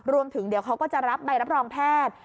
รวมถึงเดี๋ยวเขาก็จะรับใบรับรองแพทย์